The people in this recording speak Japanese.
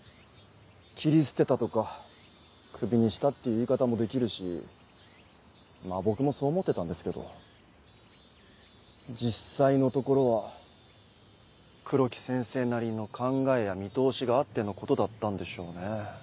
切り捨てたとかクビにしたっていう言い方もできるしまぁ僕もそう思ってたんですけど実際のところは黒木先生なりの考えや見通しがあってのことだったんでしょうね。